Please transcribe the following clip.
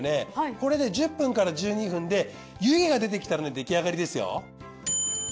これで１０分から１２分で湯気が出てきたらね出来上がりですよ。